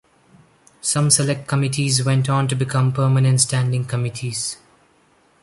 Some select committees went on to become permanent standing committees.